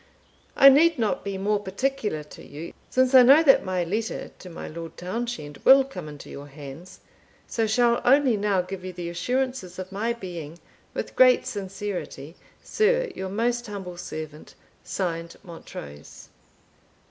"I need not be more particular to you, since I know that my Letter to my Lord Townshend will come into your hands, so shall only now give you the assurances of my being, with great sincerity, "Sr, yr most humble servant, (Signed) "Montrose."